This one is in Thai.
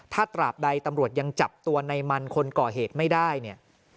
ถ้าตราบใดตำรวจยังจับตัวในมันคนก่อเหตุไม่ได้เนี่ย